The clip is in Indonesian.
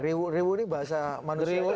riwuk ngeriwuk ini bahasa manusia apa